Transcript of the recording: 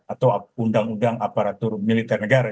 atau undang undang aparatur militer negara